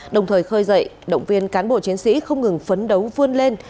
đồng thời khơi dậy động viên cán bộ chiến sĩ không ngừng phấn đấu vươn lên